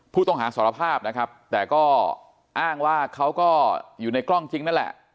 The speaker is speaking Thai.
ผู้ต้องหาสารภาพนะครับแต่ก็อ้างว่าเขาก็อยู่ในกล้องจริงนั่นแหละ